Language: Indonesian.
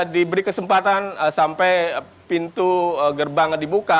diberi kesempatan sampai pintu gerbang dibuka